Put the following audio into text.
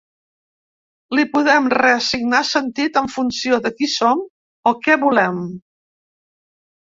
Li podem reassignar sentit en funció de qui som o què volem.